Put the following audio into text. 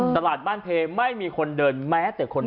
ตลาดบ้านเพไม่มีคนเดินแม้แต่คน